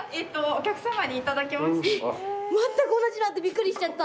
まったく同じのあってびっくりしちゃった。